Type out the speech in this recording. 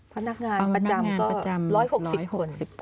พนักงานประจำ๑๖๐คน